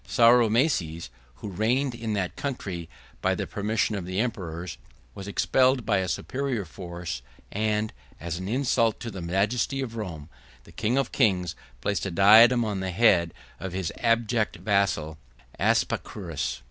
Sauromaces, who reigned in that country by the permission of the emperors, was expelled by a superior force; and, as an insult on the majesty of Rome, the king of kings placed a diadem on the head of his abject vassal Aspacuras.